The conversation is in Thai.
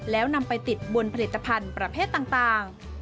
แล้วนำไปติดบนผลิตภัณฑ์ประเภทต่าง